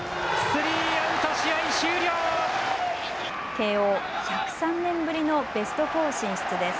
慶応、１０３年ぶりのベスト４進出です。